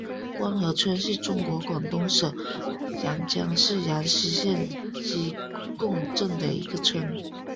官河村是中国广东省阳江市阳西县织贡镇的一个村。